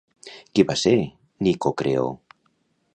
Qui va ser Nicocreó?